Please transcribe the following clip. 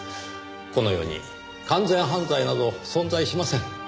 この世に完全犯罪など存在しません。